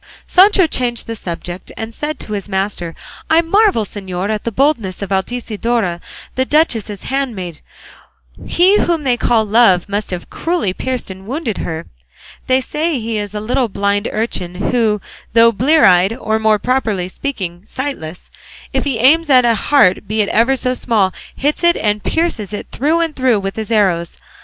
Sancho changed the subject, and said to his master, "I marvel, señor, at the boldness of Altisidora, the duchess's handmaid; he whom they call Love must have cruelly pierced and wounded her; they say he is a little blind urchin who, though blear eyed, or more properly speaking sightless, if he aims at a heart, be it ever so small, hits it and pierces it through and through with his arrows.